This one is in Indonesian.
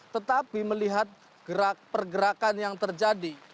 tetapi melihat pergerakan yang terjadi